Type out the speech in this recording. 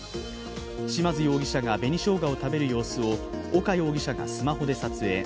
嶋津容疑者が紅しょうがを食べる様子を岡容疑者がスマホで撮影。